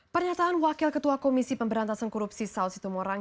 pernyataan wakil ketua komisi pemberantasan korupsi saud situmorang